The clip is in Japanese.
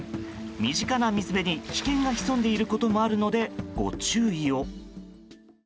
身近な水辺に危険が潜んでいることもあるのでご注意を。